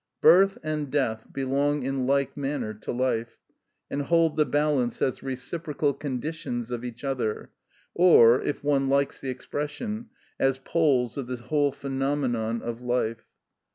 Birth and death belong in like manner to life, and hold the balance as reciprocal conditions of each other, or, if one likes the expression, as poles of the whole phenomenon of life.